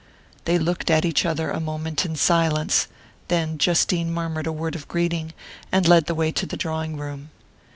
They looked at each other a moment in silence; then Justine murmured a word of greeting and led the way to the drawing room.